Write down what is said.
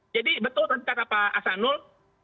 jadi betul tadi kata pak asanul